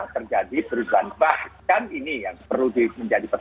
terjadi perusahaan bahkan ini yang perlu di menjadi